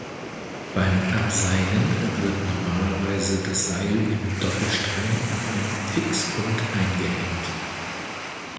Beim Abseilen wird normalerweise das Seil im Doppelstrang an einem Fixpunkt eingehängt.